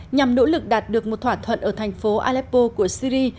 nhằm nỗ lực đạt được một thỏa thuận ở thành phố aleppo của syri